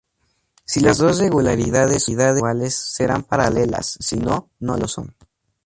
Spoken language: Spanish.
Si las dos regularidades son iguales, serán paralelas, si no, no lo son.